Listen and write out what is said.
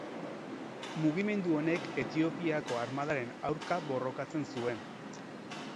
Mugimendu honek Etiopiako armadaren aurka borrokatzen zuen.